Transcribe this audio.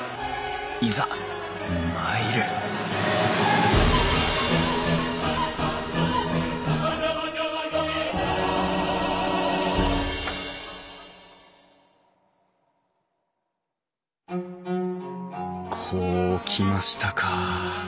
いざ参るこうきましたか。